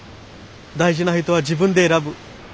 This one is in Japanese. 大事な人は自分で選ぶ。